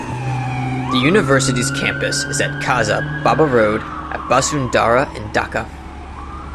The university's campus is at khaza baba road at Basundhara in Dhaka.